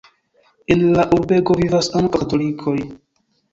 En la urbego vivas ankaŭ katolikoj.